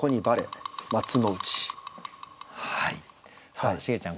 さあシゲちゃん